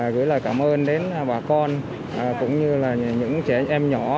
gửi lời cảm ơn đến bà con cũng như là những trẻ em nhỏ